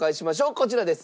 こちらです。